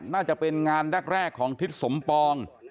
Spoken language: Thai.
น่าจะเป็นงานแรกของทิศสมปอง